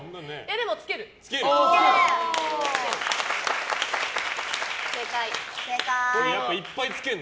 でも、つける。